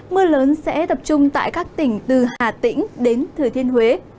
mưa lớn sẽ tập trung tại các tỉnh từ hà tĩnh đến thừa thiên huế